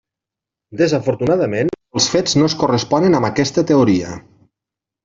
Desafortunadament els fets no es corresponen amb aquesta teoria.